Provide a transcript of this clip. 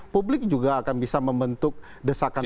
publik juga akan bisa membentuk desakan